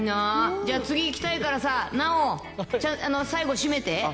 じゃあ、次、いきたいからさ、直、最後締めて。